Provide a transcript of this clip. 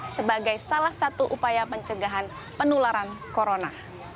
sebagai salah satu upaya pencegahan penularan corona